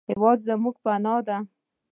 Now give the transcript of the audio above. هېواد زموږ پناه دی